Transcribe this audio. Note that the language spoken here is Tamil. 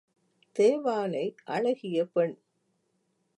தேவானை அழகிய பெண்.